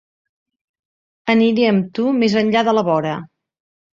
Aniré amb tu més enllà de la vora.